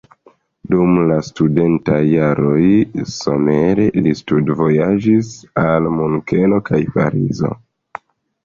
Dum la studentaj jaroj somere li studvojaĝis al Munkeno kaj Parizo.